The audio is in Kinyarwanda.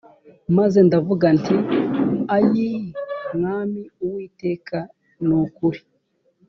maze ndavuga nti ayii mwami uwiteka ni ukuri